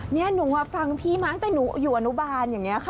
นี่หนูมาฟังพี่มาตั้งแต่หนูอยู่อนุบาลอย่างนี้ค่ะ